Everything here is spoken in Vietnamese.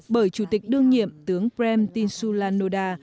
bởi chủ tịch đương nhiệm tướng krem tinsulanoda